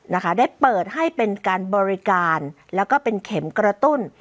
นะคะได้เปิดให้เป็นการบริการแล้วก็เป็นเข็มกระตุ้น